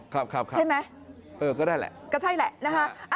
ครับใช่ไหมเออก็ได้แหละก็ใช่แหละนะคะ